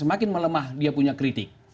semakin melemah dia punya kritik